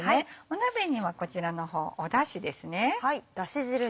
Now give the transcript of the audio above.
鍋にはこちらの方だしですね。